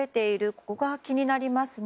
ここが気になりますね。